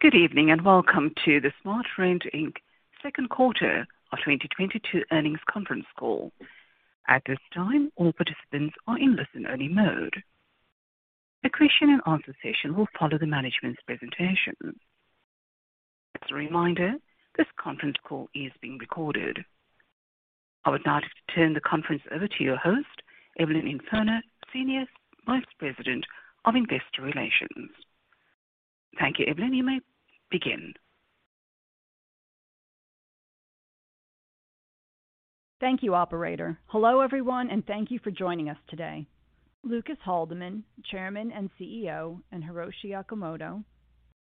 Good evening, and welcome to the SmartRent, Inc. Q2 2022 earnings Conference Call. At this time, all participants are in listen-only mode. A question and answer session will follow the management's presentation. As a reminder, this Conference Call is being recorded. I would now like to turn the conference over to your host, Evelyn Infurna, Senior Vice President of Investor Relations. Thank you, Evelyn. You may begin. Thank you, operator. Hello, everyone, and thank you for joining us today. Lucas Haldeman, Chairman and CEO, and Hiroshi Okamoto,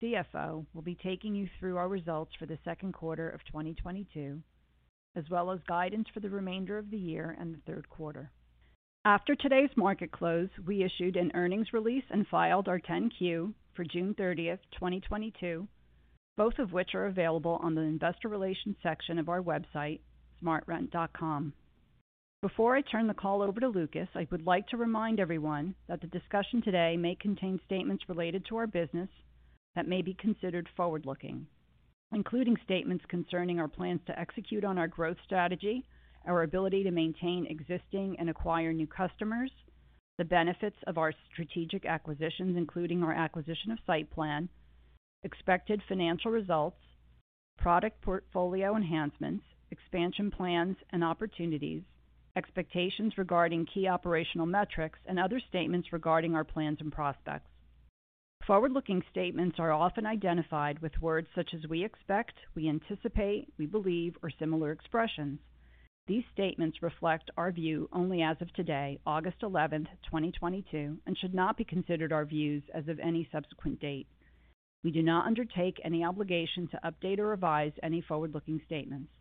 CFO, will be taking you through our results for the Q2 2022, as well as guidance for the remainder of the year and the Q3. After today's market close, we issued an earnings release and filed our Form 10-Q for June 30, 2022, both of which are available on the investor relations section of our website, smartrent.com. Before I turn the call over to Lucas, I would like to remind everyone that the discussion today may contain statements related to our business that may be considered forward-looking, including statements concerning our plans to execute on our growth strategy, our ability to maintain existing and acquire new customers, the benefits of our strategic acquisitions, including our acquisition of SightPlan, expected financial results, product portfolio enhancements, expansion plans and opportunities, expectations regarding key operational metrics, and other statements regarding our plans and prospects. Forward-looking statements are often identified with words such as "we expect," "we anticipate," "we believe," or similar expressions. These statements reflect our view only as of today, August 11, 2022, and should not be considered our views as of any subsequent date. We do not undertake any obligation to update or revise any forward-looking statements.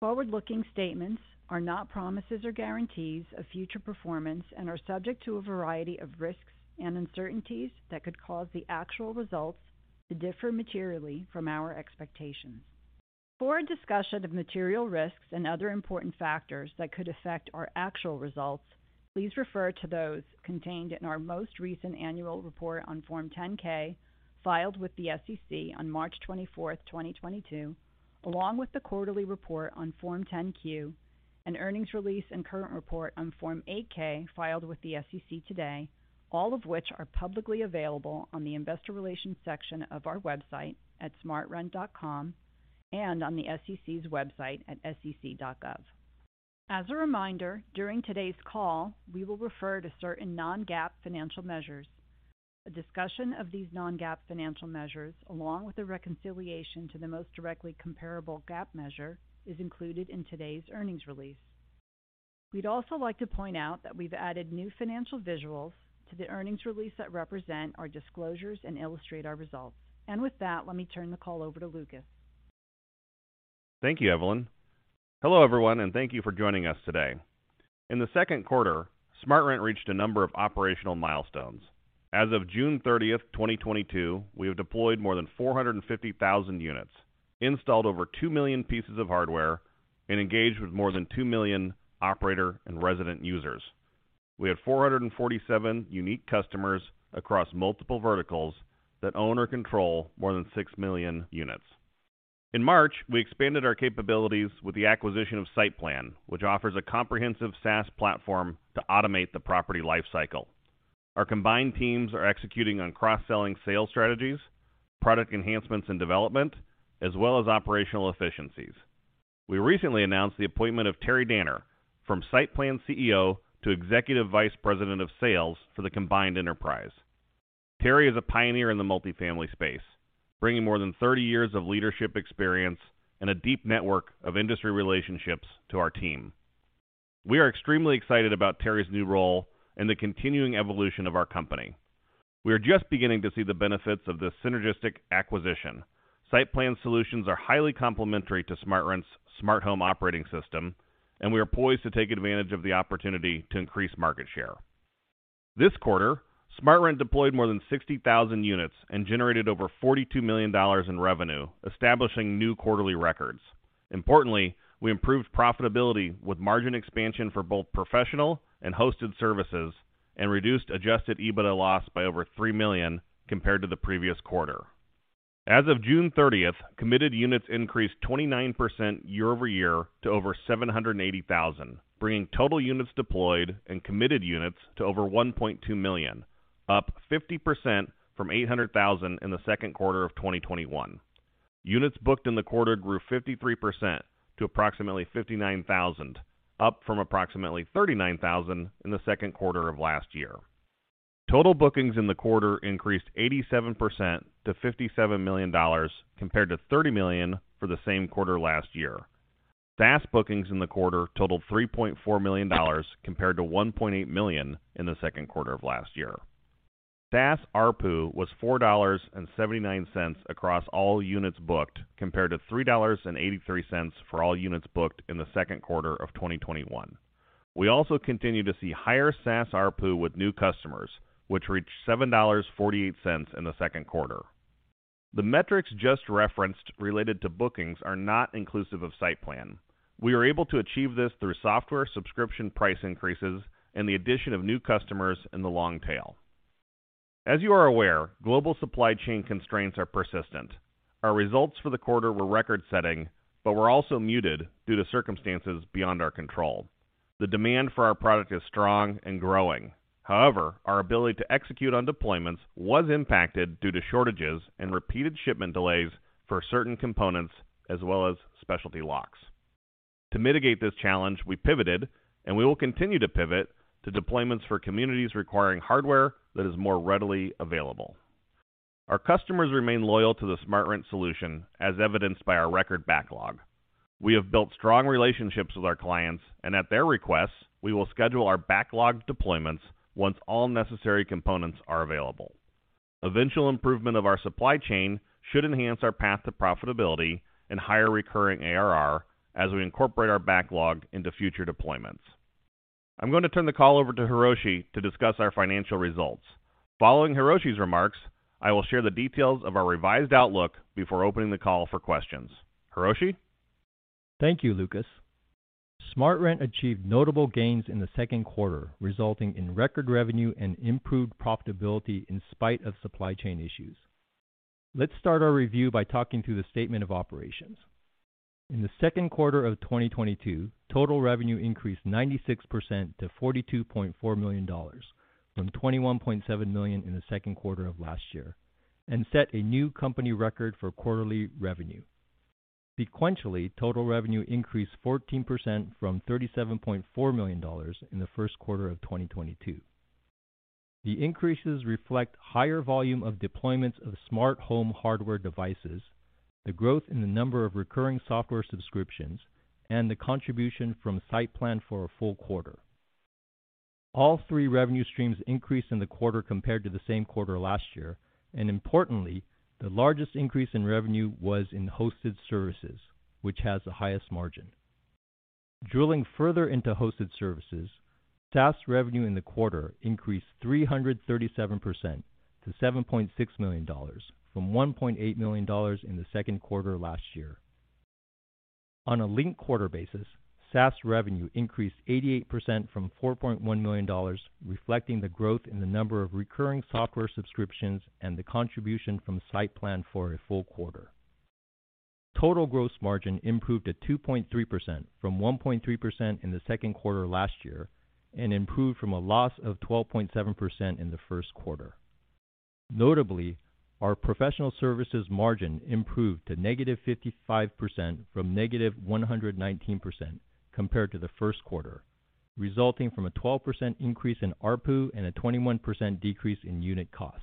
Forward-looking statements are not promises or guarantees of future performance and are subject to a variety of risks and uncertainties that could cause the actual results to differ materially from our expectations. For a discussion of material risks and other important factors that could affect our actual results, please refer to those contained in our most recent annual report on Form 10-K filed with the SEC on March 24, 2022, along with the quarterly report on Form 10-Q and earnings release and current report on Form 8-K filed with the SEC today, all of which are publicly available on the Investor Relations section of our website at smartrent.com and on the SEC's website at sec.gov. As a reminder, during today's call, we will refer to certain non-GAAP financial measures. A discussion of these non-GAAP financial measures, along with a reconciliation to the most directly comparable GAAP measure, is included in today's earnings release. We'd also like to point out that we've added new financial visuals to the earnings release that represent our disclosures and illustrate our results. With that, let me turn the call over to Lucas. Thank you, Evelyn. Hello, everyone, and thank you for joining us today. In the Q2, SmartRent reached a number of operational milestones. As of June 30th, 2022, we have deployed more than 450,000 units, installed over 2 million pieces of hardware, and engaged with more than 2 million operator and resident users. We had 447 unique customers across multiple verticals that own or control more than 6 million units. In March, we expanded our capabilities with the acquisition of SightPlan, which offers a comprehensive SaaS platform to automate the property lifecycle. Our combined teams are executing on cross-selling sales strategies, product enhancements, and development, as well as operational efficiencies. We recently announced the appointment of Terry Danner from SightPlan CEO to Executive Vice President of Sales for the combined enterprise. Terry is a pioneer in the multifamily space, bringing more than 30 years of leadership experience and a deep network of industry relationships to our team. We are extremely excited about Terry's new role and the continuing evolution of our company. We are just beginning to see the benefits of this synergistic acquisition. SightPlan solutions are highly-complementary to SmartRent's Smart Home Operating System, and we are poised to take advantage of the opportunity to increase market share. This quarter, SmartRent deployed more than 60,000 units and generated over $42 million in revenue, establishing new quarterly records. Importantly, we improved profitability with margin expansion for both professional and hosted services and reduced adjusted EBITDA loss by over $3 million compared to the previous quarter. As of June 30, committed units increased 29% year-over-year to over 780,000, bringing total units deployed and committed units to over 1.2 million, up 50% from 800,000 in the Q2 2021. Units booked in the quarter grew 53% to approximately 59,000, up from approximately 39,000 in the Q2 last-year. Total bookings in the quarter increased 87% to $57 million compared to $30 million for the same quarter last-year. SaaS bookings in the quarter totaled $3.4 million compared to $1.8 million in the Q2 last-year. SaaS ARPU was $4.79 across all units booked, compared to $3.83 for all units booked in the Q2 2021. We also continue to see higher SaaS ARPU with new customers, which reached $7.48 in the Q2. The metrics just referenced related to bookings are not inclusive of SightPlan. We are able to achieve this through software subscription price increases and the addition of new customers in the long-tail. As you are aware, global supply chain constraints are persistent. Our results for the quarter were record-setting, but were also muted due to circumstances beyond our control. The demand for our product is strong and growing. However, our ability to execute on deployments was impacted due to shortages and repeated shipment delays for certain components as well as specialty locks. To mitigate this challenge, we pivoted, and we will continue to pivot to deployments for communities requiring hardware that is more readily available. Our customers remain loyal to the SmartRent solution as evidenced by our record backlog. We have built strong relationships with our clients, and at their request, we will schedule our backlogged deployments once all necessary components are available. Eventual improvement of our supply chain should enhance our path to profitability and higher recurring ARR as we incorporate our backlog into future deployments. I'm going to turn the call over to Hiroshi to discuss our financial results. Following Hiroshi's remarks, I will share the details of our revised outlook before opening the call for questions. Hiroshi? Thank you, Lucas. SmartRent achieved notable gains in the Q2, resulting in record revenue and improved profitability in spite of supply chain issues. Let's start our review by talking through the statement of operations. In the Q2 2022, total revenue increased 96% to $42.4 million from $21.7 million in the Q2 last-year and set a new company record for quarterly revenue. Sequentially, total revenue increased 14% from $37.4 million in the Q1 of 2022. The increases reflect higher volume of deployments of smart home hardware devices, the growth in the number of recurring software subscriptions, and the contribution from SightPlan for a full quarter. All three revenue streams increased in the quarter compared to the same quarter last-year, and importantly, the largest increase in revenue was in hosted services, which has the highest-margin. Drilling further into hosted services, SaaS revenue in the quarter increased 337% to $7.6 million from $1.8 million in the Q2 last-year. On a linked quarter basis, SaaS revenue increased 88% from $4.1 million, reflecting the growth in the number of recurring software subscriptions and the contribution from SightPlan for a full quarter. Total gross margin improved to 2.3% from 1.3% in the Q2 last-year and improved from a loss of 12.7% in the Q1. Notably, our professional services margin improved to negative 55% from negative 119% compared to the Q1, resulting from a 12% increase in ARPU and a 21% decrease in unit costs.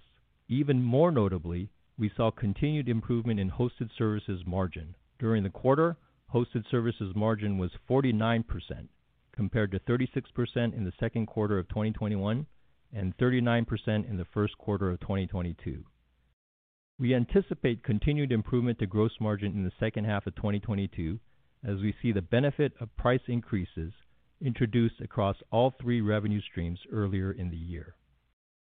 Even more notably, we saw continued improvement in hosted services margin. During the quarter, hosted services margin was 49% compared to 36% in the Q2 2021 and 39% in the Q1 of 2022. We anticipate continued improvement to gross margin in the second half of 2022 as we see the benefit of price increases introduced across all three revenue streams earlier in the year.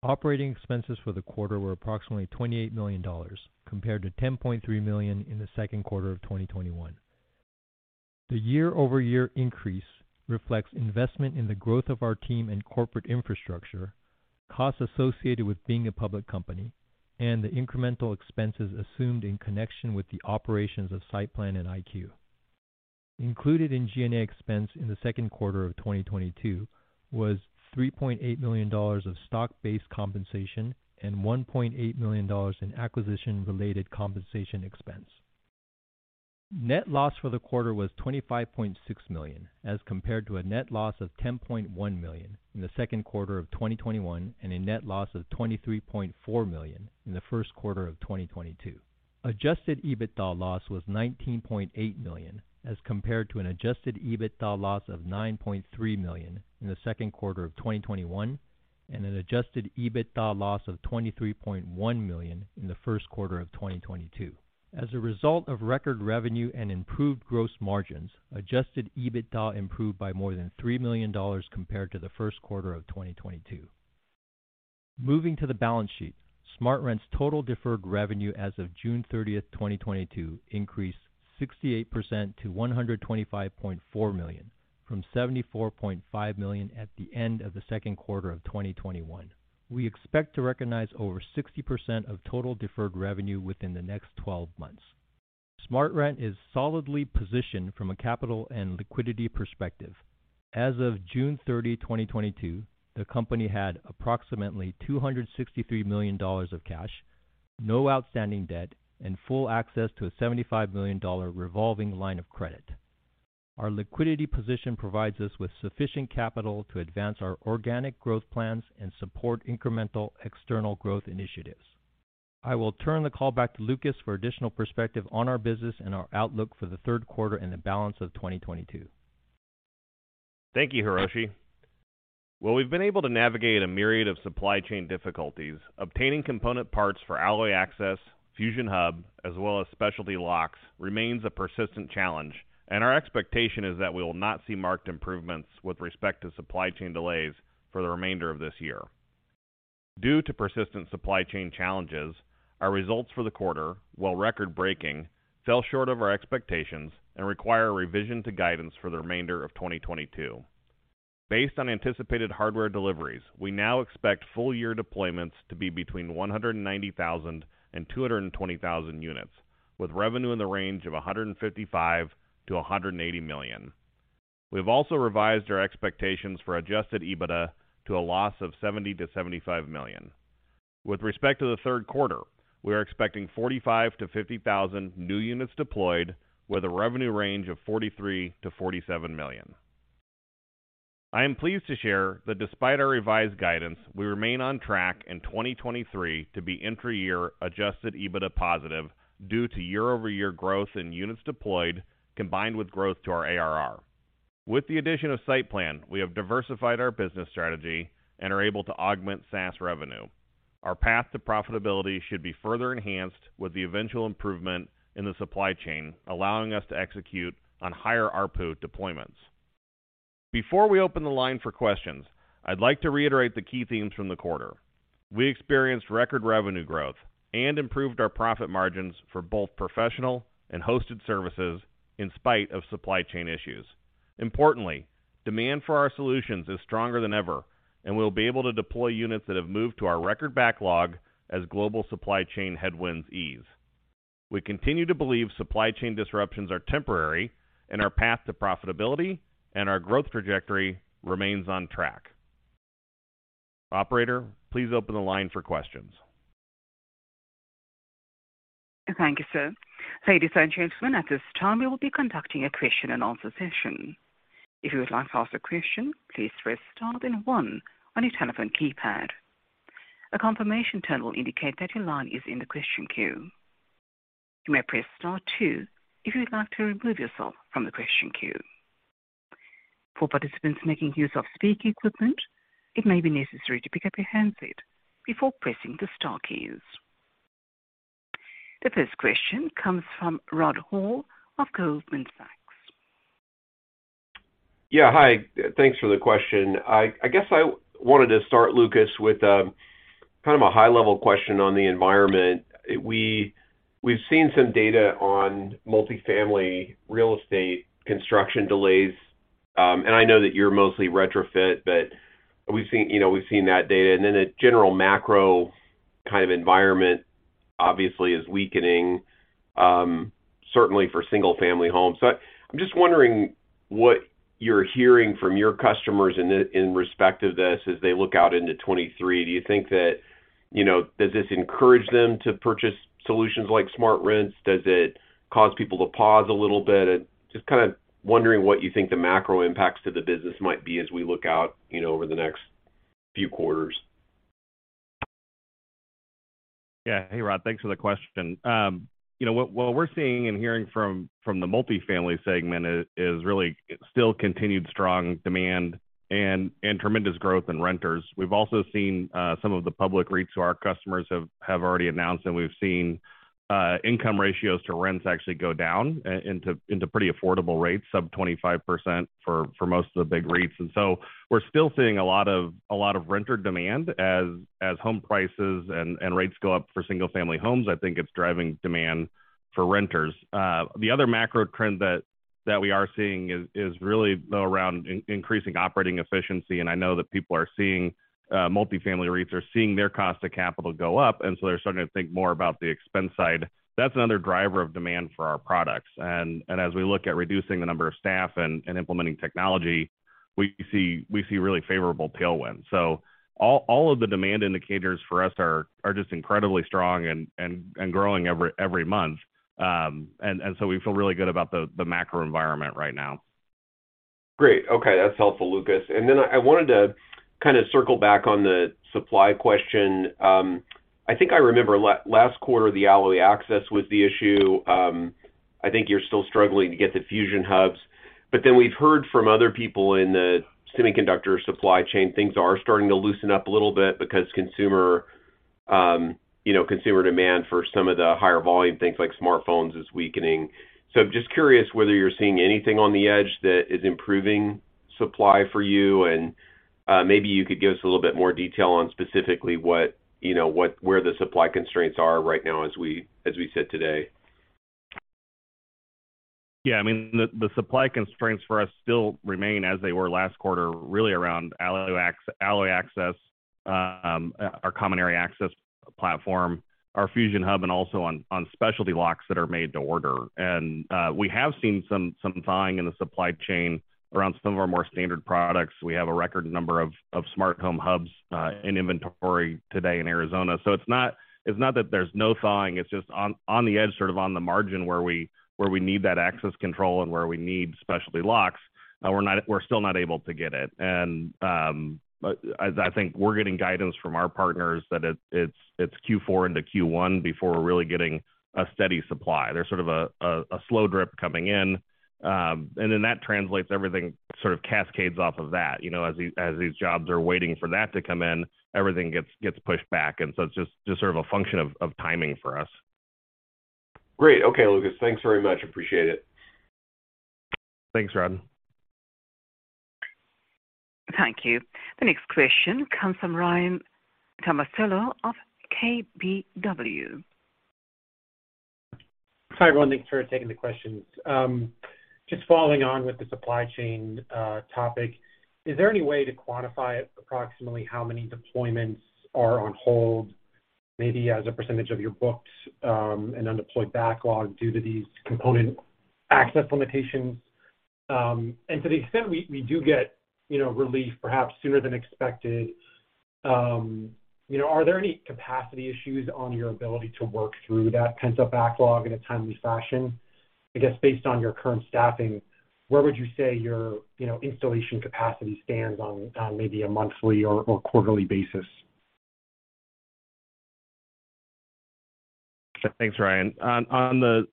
Operating expenses for the quarter were approximately $28 million compared to $10.3 million in the Q2 2021. The year-over-year increase reflects investment in the growth of our team and corporate infrastructure, costs associated with being a public company, and the incremental expenses assumed in connection with the operations of SightPlan and iQuue. Included in G&A expense in the Q2 2022 was $3.8 million of stock-based compensation and $1.8 million in acquisition-related compensation expense. Net loss for the quarter was $25.6 million, as compared to a net loss of $10.1 million in the Q2 2021 and a net loss of $23.4 million in the Q1 of 2022. Adjusted EBITDA loss was $19.8 million, as compared to an Adjusted EBITDA loss of $9.3 million in the Q2 2021 and an Adjusted EBITDA loss of $23.1 million in the Q1 of 2022. As a result of record revenue and improved gross margins, Adjusted EBITDA improved by more than $3 million compared to the Q1 of 2022. Moving to the balance sheet, SmartRent's total deferred revenue as of June 30, 2022 increased 68% to $125.4 million from $74.5 million at the end of the Q2 2021. We expect to recognize over 60% of total deferred revenue within the next twelve months. SmartRent is solidly positioned from a capital and liquidity perspective. As of June 30, 2022, the company had approximately $263 million of cash, no outstanding debt, and full access to a $75 million revolving line of credit. Our liquidity position provides us with sufficient capital to advance our organic growth plans and support incremental external growth initiatives. I will turn the call back to Lucas for additional perspective on our business and our outlook for the Q3 and the balance of 2022. Thank you, Hiroshi. While we've been able to navigate a myriad of supply chain difficulties, obtaining component parts for Alloy Access, Alloy Fusion, as well as specialty locks remains a persistent challenge, and our expectation is that we will not see marked improvements with respect to supply chain delays for the remainder of this year. Due to persistent supply chain challenges, our results for the quarter, while record-breaking, fell short of our expectations and require a revision to guidance for the remainder of 2022. Based on anticipated hardware deliveries, we now expect full-year deployments to be between 190,000 and 220,000 units, with revenue in the range of $155 million-$180 million. We've also revised our expectations for Adjusted EBITDA to a loss of $70 million-$75 million. With respect to the Q3, we are expecting 45,000-50,000 new units deployed with a revenue range of $43 million-$47 million. I am pleased to share that despite our revised guidance, we remain on track in 2023 to be intra-year Adjusted EBITDA positive due to year-over-year growth in units deployed, combined with growth to our ARR. With the addition of SightPlan, we have diversified our business strategy and are able to augment SaaS revenue. Our path to profitability should be further enhanced with the eventual improvement in the supply chain, allowing us to execute on higher ARPU deployments. Before we open the line for questions, I'd like to reiterate the key themes from the quarter. We experienced record revenue growth and improved our profit margins for both professional and hosted services in spite of supply chain issues. Importantly, demand for our solutions is stronger than ever, and we'll be able to deploy units that have moved to our record backlog as global supply chain headwinds ease. We continue to believe supply chain disruptions are temporary and our path to profitability and our growth trajectory remains on track. Operator, please open the line for questions. Thank you, sir. Ladies and gentlemen, at this time, we will be conducting a question and answer session. If you would like to ask a question, please press star then one on your telephone keypad. A confirmation tone will indicate that your line is in the question queue. You may press star two if you would like to remove yourself from the question queue. For participants making use of speaker equipment, it may be necessary to pick up your handset before pressing the star keys. The first question comes from Rod Hall of Goldman Sachs. Yeah, hi. Thanks for the question. I guess I wanted to start, Lucas, with kind of a high-level question on the environment. We've seen some data on multifamily real estate construction delays, and I know that you're mostly retrofit, but we've seen, you know, we've seen that data. The general macro kind of environment obviously is weakening, certainly for single-family homes. I'm just wondering what you're hearing from your customers in respect of this as they look out into 2023. Do you think that does this encourage them to purchase solutions like SmartRent? Does it cause people to pause a little bit? Just kinda wondering what you think the macro impacts to the business might be as we look out, you know, over the next few quarters. Yeah. Hey, Rod. Thanks for the question. You know what we're seeing and hearing from the multifamily segment is really still continued strong demand and tremendous growth in renters. We've also seen some of the public REITs who are our customers have already announced, and we've seen rent-to-income ratios actually go down into pretty affordable rates, sub 25% for most of the big REITs. We're still seeing a lot of renter demand as home prices and rates go up for single-family homes. I think it's driving demand for renters. The other macro trend that we are seeing is really around increasing operating efficiency. I know that people are seeing multifamily REITs are seeing their cost of capital go up, and so they're starting to think more about the expense side. That's another driver of demand for our products. As we look at reducing the number of staff and implementing technology, we see really favorable tailwind. So all of the demand indicators for us are just incredibly strong and growing every month. We feel really good about the macro environment right now. Great. Okay. That's helpful, Lucas. I wanted to kinda circle back on the supply question. I think I remember last quarter, the Alloy Access was the issue. I think you're still struggling to get the Alloy Fusion hubs. We've heard from other people in the semiconductor supply chain, things are starting to loosen up a little bit because consumer, you know, consumer demand for some of the higher volume things like smartphones is weakening. Just curious whether you're seeing anything on the edge that is improving supply for you. Maybe you could give us a little bit more detail on specifically what, you know, where the supply constraints are right now as we sit today. Yeah, I mean, the supply constraints for us still remain as they were last quarter, really around Alloy Access, our Common Area Access platform, our Alloy Fusion hub, and also on specialty locks that are made to order. We have seen some thawing in the supply chain around some of our more standard products. We have a record number of smart home hubs in inventory today in Arizona. So it's not that there's no thawing, it's just on the edge, sort of on the margin where we need that access control and where we need specialty locks, we're still not able to get it. I think we're getting guidance from our partners that it's Q4 into Q1 before we're really getting a steady supply. There's sort of a slow-drip coming in, and then that translates everything sort of cascades off of that. You know, as these jobs are waiting for that to come in, everything gets pushed back. It's just sort of a function of timing for us. Great. Okay, Lucas. Thanks very much. Appreciate it. Thanks, Rod. Thank you. The next question comes from Ryan Tomasello of KBW. Hi, everyone. Thanks for taking the questions. Just following on with the supply chain topic. Is there any way to quantify approximately how many deployments are on hold, maybe as a percentage of your books and undeployed backlog due to these component access limitations? To the extent we do get, you know, relief perhaps sooner than expected, you know, are there any capacity issues on your ability to work through that kinds of backlog in a timely fashion? I guess based on your current staffing, where would you say your, you know, installation capacity stands on maybe a monthly or quarterly basis? Thanks, Ryan. On the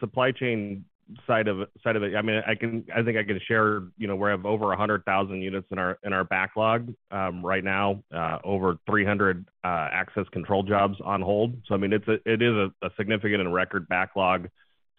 supply chain side of it, I mean, I think I can share, you know, we have over 100,000 units in our backlog. Right now, over 300 access control jobs on hold. I mean, it is a significant and record backlog.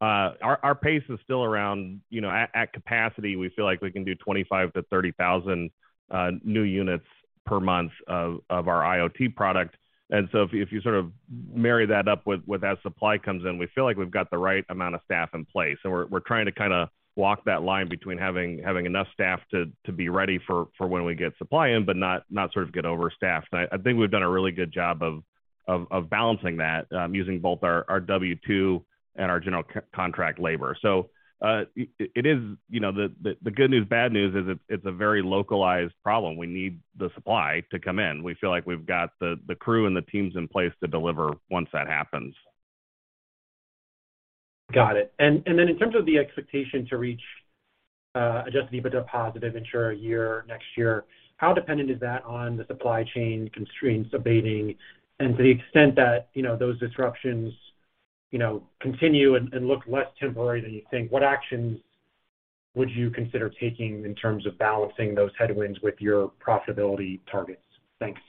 Our pace is still around, you know, at capacity. We feel like we can do 25,000-30,000 new units per month of our IoT product. If you sort of marry that up with as supply comes in, we feel like we've got the right amount of staff in place. We're trying to kinda walk that line between having enough staff to be ready for when we get supply in, but not sort of get overstaffed. I think we've done a really good job of balancing that, using both our W-2 and our general contract labor. It is, you know, the good news, bad news is it's a very localized problem. We need the supply to come in. We feel like we've got the crew and the teams in place to deliver once that happens. Got it. Then in terms of the expectation to reach adjusted EBITDA positive in a year-next-year, how dependent is that on the supply chain constraints abating? To the extent that, you know, those disruptions, you know, continue and look less temporary than you think, what actions would you consider taking in terms of balancing those headwinds with your profitability targets? Thanks.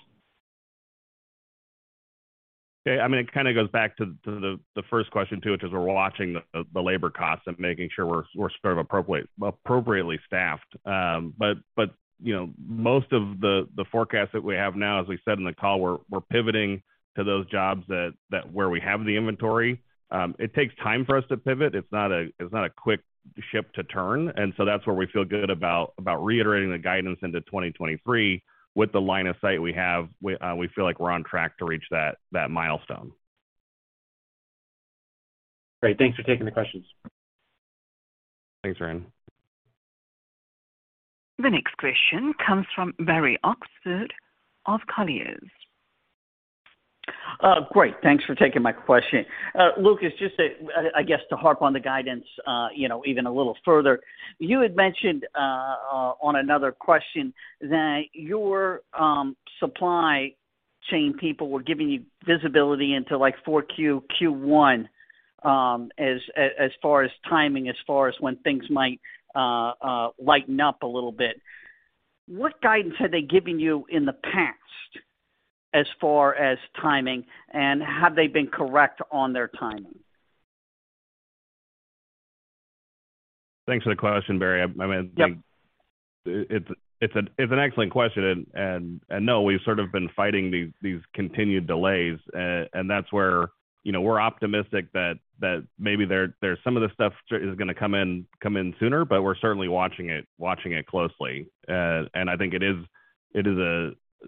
Yeah. I mean, it kinda goes back to the first question too, which is we're watching the labor costs and making sure we're sort of appropriately staffed. But you know, most of the forecast that we have now, as we said in the call, we're pivoting to those jobs where we have the inventory. It takes time for us to pivot. It's not a quick ship to turn. That's where we feel good about reiterating the guidance into 2023. With the line of sight we have, we feel like we're on track to reach that milestone. Great. Thanks for taking the questions. Thanks, Ryan. The next question comes from Barry Oxford of Colliers. Great. Thanks for taking my question. Lucas, just to, I guess, to harp on the guidance, you know, even a little further. You had mentioned on another question that your supply chain people were giving you visibility into, like, Q4, Q1, as far as timing, as far as when things might lighten up a little bit. What guidance have they given you in the past as far as timing, and have they been correct on their timing? Thanks for the question, Barry. I mean. Yep. It's an excellent question. No, we've sort of been fighting these continued delays. That's where, you know, we're optimistic that maybe some of the stuff is gonna come in sooner, but we're certainly watching it closely. I think it is,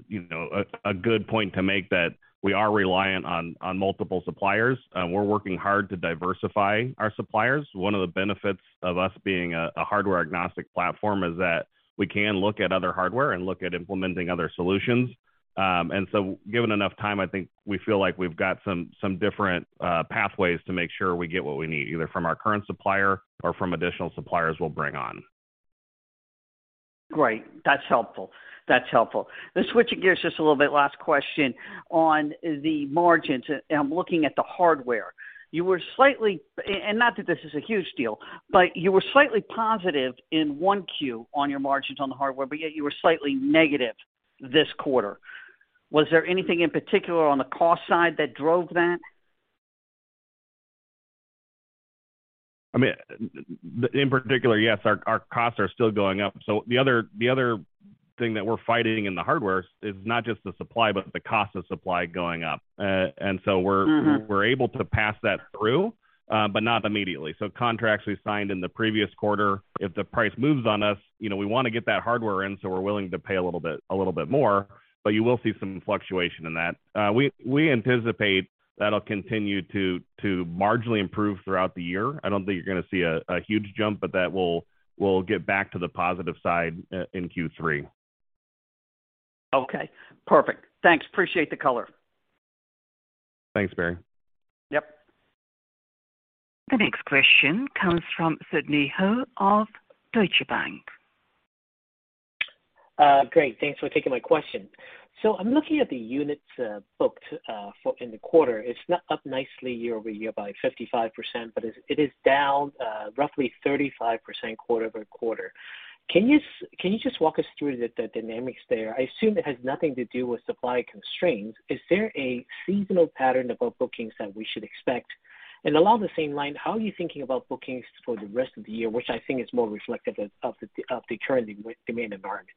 you know, a good point to make that we are reliant on multiple suppliers. We're working hard to diversify our suppliers. One of the benefits of us being a hardware-agnostic platform is that we can look at other hardware and look at implementing other solutions. Given enough time, I think we feel like we've got some different pathways to make sure we get what we need, either from our current supplier or from additional suppliers we'll bring on. Great. That's helpful. Switching gears just a little bit, last question on the margins, and I'm looking at the hardware. You were slightly positive in one Q on your margins on the hardware, but yet you were slightly negative this quarter. Was there anything in particular on the cost side that drove that? I mean, in particular, yes, our costs are still going up. The other thing that we're fighting in the hardware is not just the supply, but the cost of supply going up. Mm-hmm. We're able to pass that through, but not immediately. Contracts we signed in the previous quarter, if the price moves on us, you know, we wanna get that hardware in, so we're willing to pay a little bit, a little bit more. You will see some fluctuation in that. We anticipate that'll continue to marginally improve throughout the year. I don't think you're gonna see a huge jump, but that will get back to the positive side in Q3. Okay, perfect. Thanks. Appreciate the color. Thanks, Barry. Yep. The next question comes from Sidney Ho of Deutsche Bank. Great. Thanks for taking my question. So I'm looking at the units booked in the quarter. It's up nicely year-over-year by 55%, but it is down roughly 35% quarter-over-quarter. Can you just walk us through the dynamics there? I assume it has nothing to do with supply constraints. Is there a seasonal pattern about bookings that we should expect? Along the same line, how are you thinking about bookings for the rest of the year, which I think is more reflective of the current demand environment?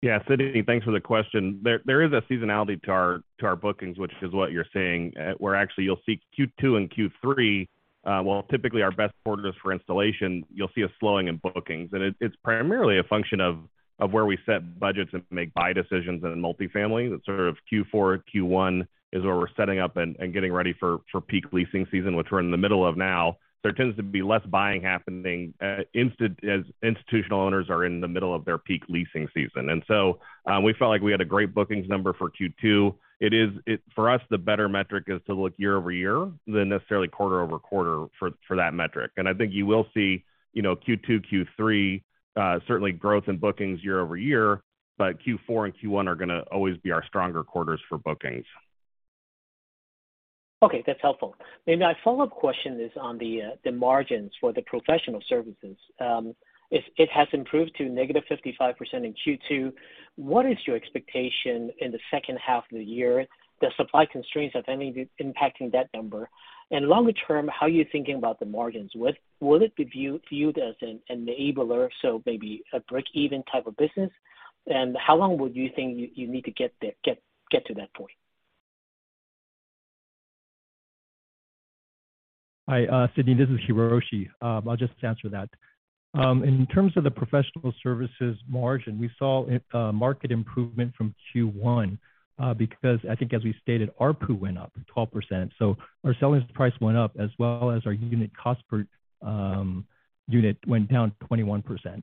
Yeah. Sidney, thanks for the question. There is a seasonality to our bookings, which is what you're saying. Actually you'll see Q2 and Q3, well, typically our best quarters for installation. You'll see a slowing in bookings. It's primarily a function of where we set budgets and make buy decisions in multifamily. That's sort of Q4. Q1 is where we're setting up and getting ready for peak leasing season, which we're in the middle of now. There tends to be less buying happening, as institutional owners are in the middle of their peak leasing season. We felt like we had a great bookings number for Q2. It is. For us, the better metric is to look year-over-year than necessarily quarter-over-quarter for that metric. I think you will see, you know, Q2, Q3, certainly growth in bookings year-over-year, but Q4 and Q1 are gonna always be our stronger quarters for bookings. Okay, that's helpful. My follow-up question is on the margins for the professional services. It has improved to negative 55% in Q2. What is your expectation in the second half of the year? The supply constraints, if any, impacting that number. Longer-term, how are you thinking about the margins? What will it be viewed as an enabler, so maybe a break-even type of business? How long would you think you need to get to that point? Hi, Sidney, this is Hiroshi. I'll just answer that. In terms of the professional services margin, we saw a market improvement from Q1, because I think as we stated, ARPU went up 12%. Our selling price went up as well as our unit cost per unit went down 21%.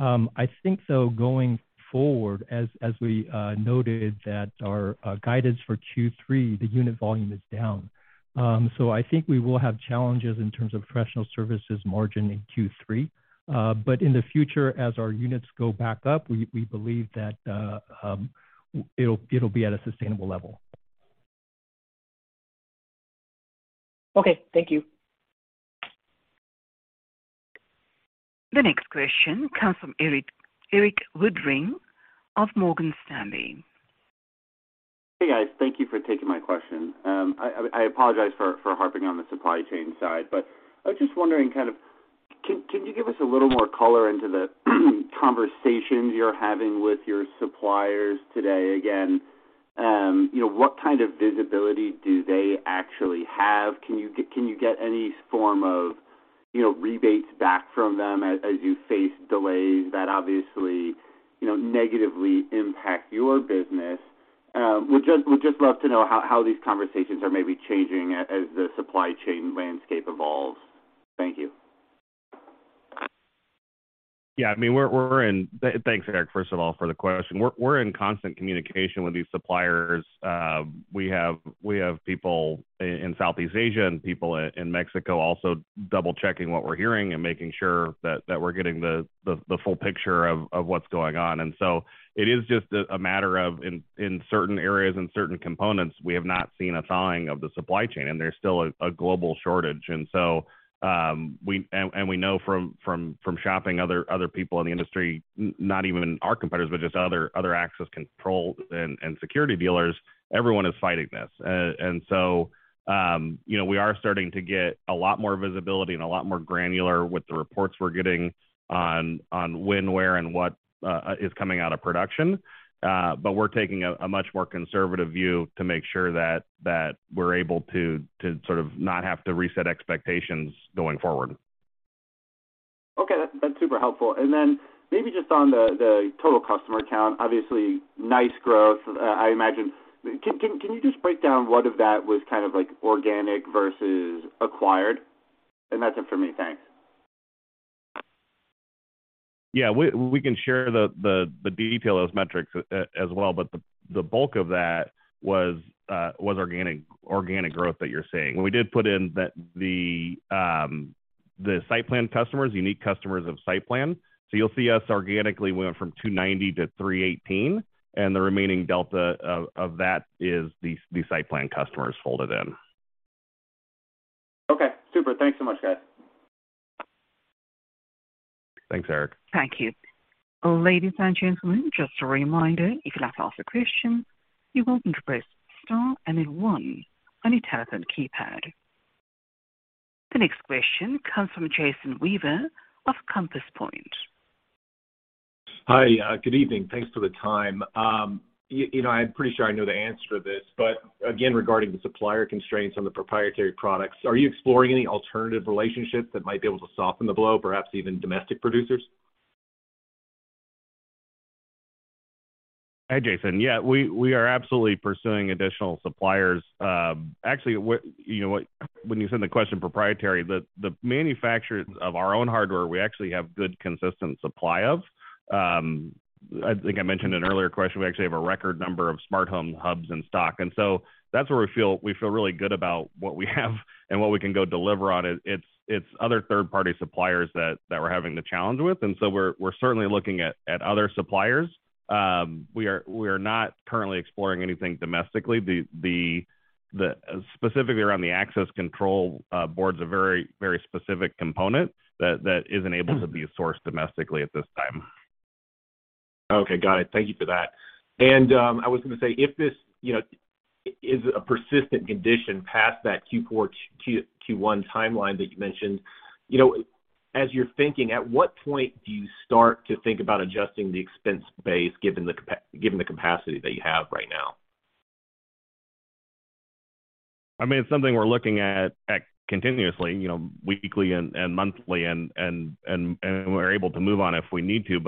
I think though going forward, as we noted that our guidance for Q3, the unit volume is down. I think we will have challenges in terms of professional services margin in Q3. In the future, as our units go back up, we believe that it'll be at a sustainable level. Okay. Thank you. The next question comes from Erik Woodring of Morgan Stanley. Hey, guys. Thank you for taking my question. I apologize for harping on the supply chain side, but I was just wondering, can you give us a little more color into the conversations you're having with your suppliers today again? You know, what kind of visibility do they actually have? Can you get any form of, you know, rebates back from them as you face delays that obviously, you know, negatively impact your business? Would just love to know how these conversations are maybe changing as the supply chain landscape evolves. Thank you. I mean, we're in. Thanks, Erik, first of all, for the question. We're in constant communication with these suppliers. We have people in Southeast Asia and people in Mexico also double-checking what we're hearing and making sure that we're getting the full picture of what's going on. It is just a matter of in certain areas and certain components, we have not seen a thawing of the supply chain, and there's still a global shortage. We know from shopping other people in the industry, not even our competitors, but just other access control and security dealers, everyone is fighting this. You know, we are starting to get a lot more visibility and a lot more granular with the reports we're getting on when, where, and what is coming out of production. We're taking a much more conservative view to make sure that we're able to sort of not have to reset expectations going forward. Okay. That's super helpful. Then maybe just on the total customer count, obviously nice growth, I imagine. Can you just break down what of that was kind of like organic versus acquired? That's it for me. Thanks. Yeah. We can share the detail of those metrics as well, but the bulk of that was organic growth that you're seeing. We did put in the SightPlan customers, unique customers of SightPlan. You'll see us organically, we went from 290 to 318, and the remaining delta of that is these SightPlan customers folded in. Okay. Super. Thanks so much, guys. Thanks, Erik. Thank you. Ladies and gentlemen, just a reminder, if you'd like to ask a question, you're welcome to press star and then one on your telephone keypad. The next question comes from Jason Weaver of Compass Point. Hi. Good evening. Thanks for the time. You know, I'm pretty sure I know the answer to this, but again, regarding the supplier constraints on the proprietary products, are you exploring any alternative relationships that might be able to soften the blow, perhaps even domestic producers? Hi, Jason. Yeah, we are absolutely pursuing additional suppliers. Actually, you know what, when you send the question proprietary, the manufacturers of our own hardware, we actually have good, consistent supply of. I think I mentioned in an earlier question, we actually have a record number of smart home hubs in stock. That's where we feel really good about what we have and what we can go deliver on. It's other third-party suppliers that we're having the challenge with. We're certainly looking at other suppliers. We are not currently exploring anything domestically. Specifically around the access control, board's a very specific component that isn't able to be sourced domestically at this time. Okay, got it. Thank you for that. I was gonna say, if this, you know, is a persistent condition past that Q4-Q1 timeline that you mentioned, you know, as you're thinking, at what point do you start to think about adjusting the expense base given the capacity that you have right now? I mean, it's something we're looking at continuously, you know, weekly and monthly, and we're able to move on if we need to.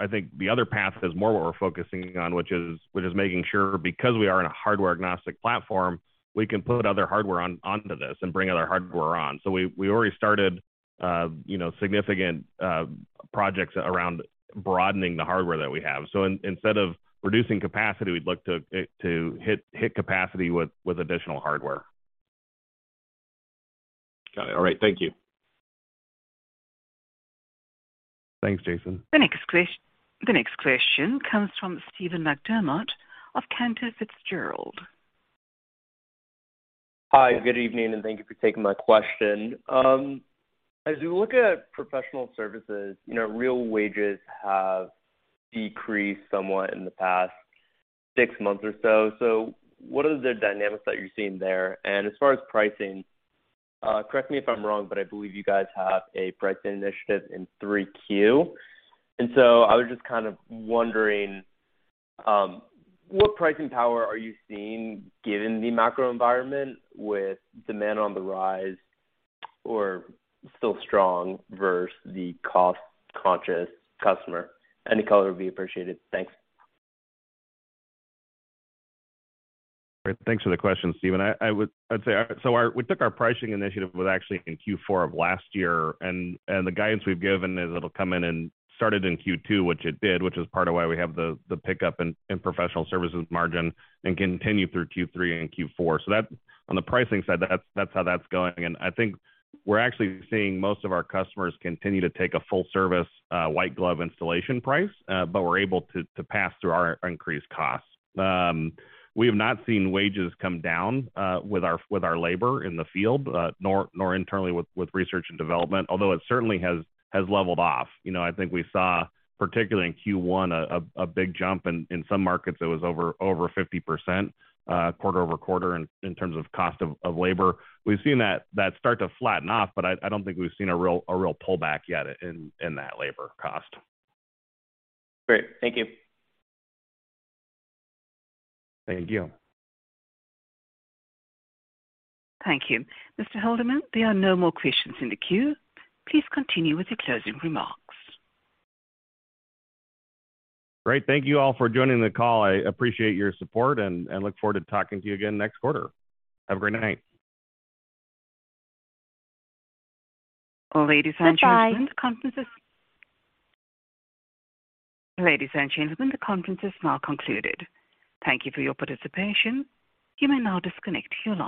I think the other path is more what we're focusing on, which is making sure because we are in a hardware-agnostic platform, we can put other hardware onto this and bring other hardware on. We already started, you know, significant projects around broadening the hardware that we have. Instead of reducing capacity, we'd look to hit capacity with additional hardware. Got it. All right. Thank you. Thanks, Jason. The next question comes from Steven McDermott of Cantor Fitzgerald. Hi, good evening, and thank you for taking my question. As you look at professional services, you know, real wages have decreased somewhat in the past six months or so. What are the dynamics that you're seeing there? As far as pricing, correct me if I'm wrong, but I believe you guys have a pricing initiative in 3Q. I was just kind of wondering, what pricing power are you seeing given the macro environment with demand on the rise or still strong versus the cost-conscious customer? Any color would be appreciated. Thanks. Great. Thanks for the question, Steven. I'd say, we took our pricing initiative which actually in Q4 of last-year. The guidance we've given is it'll come in and it started in Q2, which it did, which is part of why we have the pickup in professional services margin and continue through Q3 and Q4. That, on the pricing side, that's how that's going. I think we're actually seeing most of our customers continue to take a full service white glove installation price, but we're able to pass through our increased costs. We have not seen wages come down with our labor in the field nor internally with research and development, although it certainly has leveled off. You know, I think we saw, particularly in Q1, a big jump in some markets it was over 50%, quarter-over-quarter in terms of cost of labor. We've seen that start to flatten off, but I don't think we've seen a real pullback yet in that labor cost. Great. Thank you. Thank you. Thank you. Mr. Haldeman, there are no more questions in the queue. Please continue with your closing remarks. Great. Thank you all for joining the call. I appreciate your support and look forward to talking to you again next quarter. Have a great night. Ladies and gentlemen. Bye-bye. Ladies and gentlemen, the conference is now concluded. Thank you for your participation. You may now disconnect your lines.